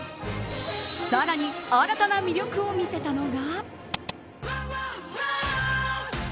さらに新たな魅力を見せたのが。